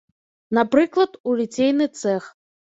Напрыклад, у ліцейны цэх.